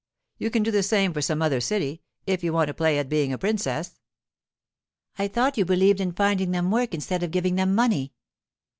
You can do the same for some other city, if you want to play at being a princess.' 'I thought you believed in finding them work instead giving them money.